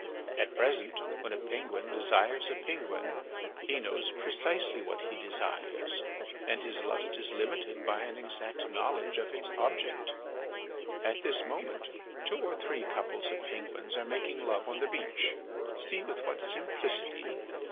At present when a penguin desires a penguin he knows precisely what he desires and his lust is limited by an exact knowledge of its object. At this moment two or three couples of penguins are making love on the beach. See with what simplicity!